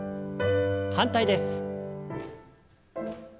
反対です。